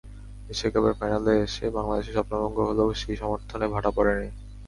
Asia কাপের ফাইনালে এসে বাংলাদেশের স্বপ্নভঙ্গ হলেও সেই সমর্থনে ভাটা পড়েনি।